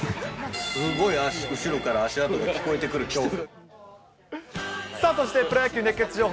すごい後ろから足音が聞こえてくる恐怖。